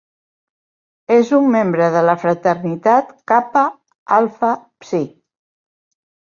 És un membre de la fraternitat "Kappa Alpha Psi".